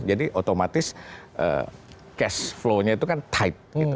jadi otomatis cash flow nya itu kan tight gitu